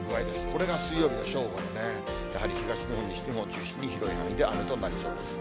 これが水曜日の正午ですね、やはり東日本、西日本を中心に広い範囲で雨となりそうです。